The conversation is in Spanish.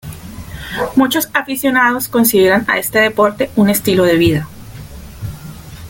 Muchos aficionados consideran a este deporte un estilo de vida.